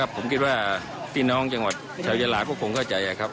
ผมคิดว่าพี่น้องจังหวัดชาวยาลาก็คงเข้าใจครับ